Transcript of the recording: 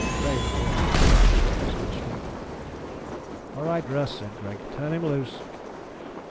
Craven brought it and dropped it at Stutsman's feet. "All right, Russ," said Greg. "Turn him loose."